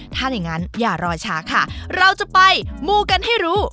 ถ้าอย่างนั้นอย่ารอช้าค่ะเราจะไปมูกันให้รู้